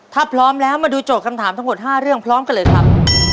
ถ้าพร้อมแล้วมาดูโจทย์คำถามทั้งหมด๕เรื่องพร้อมกันเลยครับ